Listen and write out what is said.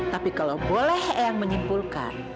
tapi kalau boleh eyang menyimpulkan